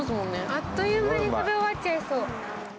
あっという間に食べ終わっちゃいそう。